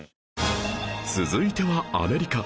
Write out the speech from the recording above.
続いてはアメリカ